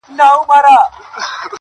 په وینا سو په کټ کټ سو په خندا سو!!